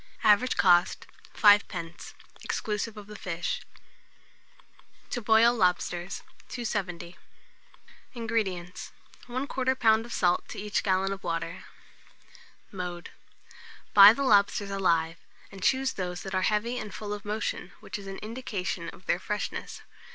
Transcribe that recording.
Average cost, 5d., exclusive of the fish. TO BOIL LOBSTERS. 270. INGREDIENTS. 1/4 lb. of salt to each gallon of water. Mode. Buy the lobsters alive, and choose those that are heavy and full of motion, which is an indication of their freshness.